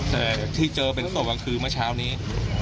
แต่ที่เจอเป็นศพก็คือเมื่อเช้านี้